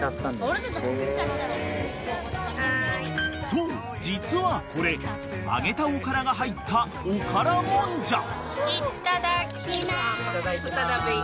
［そう実はこれ揚げたおからが入ったおからもんじゃ］